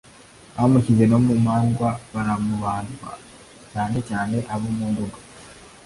bamushyize no mu mandwa baramubandwa, cyane cyane abo mu nduga